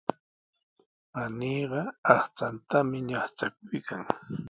Paniiqa aqchantami ñaqchakuykan.